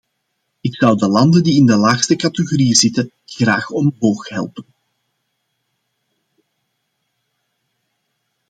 Ik zou de landen die in de laagste categorie zitten graag omhoog helpen.